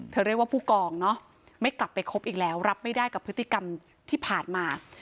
เรียกว่าผู้กองเนอะไม่กลับไปคบอีกแล้วรับไม่ได้กับพฤติกรรมที่ผ่านมา